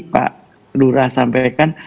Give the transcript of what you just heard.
pak lura sampaikan